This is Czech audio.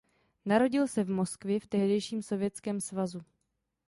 Narodil se v Moskvě v tehdejším Sovětském svazu.